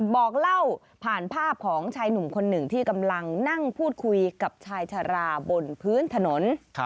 บอกเล่าผ่านภาพของชายหนุ่มคนหนึ่งที่กำลังนั่งพูดคุยกับชายชะลาบนพื้นถนน